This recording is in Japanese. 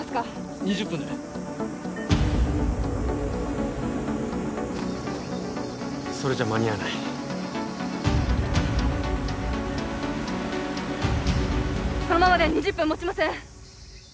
２０分でそれじゃ間に合わないこのままでは２０分もちません